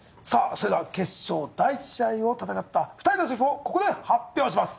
それでは決勝第一試合を戦った２人のシェフをここで発表します